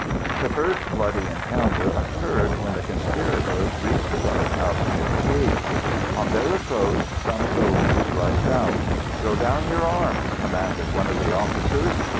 The first bloody encounter occurred when the conspirators reached the guardhouse near the gate. On their approach some soldiers rushed out. "Throw down your arms!" commanded one of the officers.